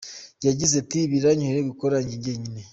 Yagize ati “Biranyoroheye gukora njye nyine.